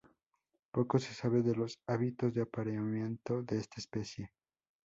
Poco se sabe de los hábitos de apareamiento de esta especie.